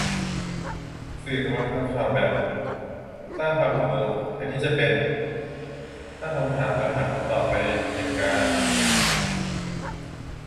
สื่อกำลังทำข่าวแบบ " !" สร้างความตื่นตระหนก แทนที่จะเป็น " ?" ตั้งคำถามแล้วหาคำตอบในเหตุการณ์